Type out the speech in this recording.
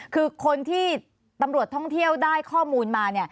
คือคนที่ตำรวจท่องเที่ยวได้ข้อมูลมา